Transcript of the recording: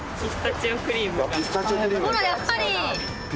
ほらやっぱり！